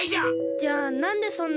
じゃあなんでそんなうわさが？